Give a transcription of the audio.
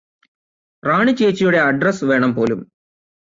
റാണി ചേച്ചിയുടെ അഡ്രെസ്സ് വേണംപോലും